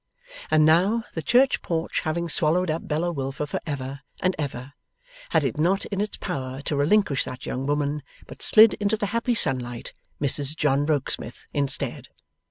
And now, the church porch having swallowed up Bella Wilfer for ever and ever, had it not in its power to relinquish that young woman, but slid into the happy sunlight, Mrs John Rokesmith instead.